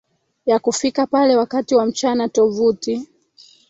ya kufika pale wakati wa mchana Tovuti